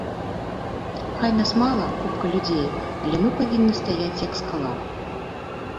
Хай нас мала, купка людзей, але мы павінны стаяць як скала.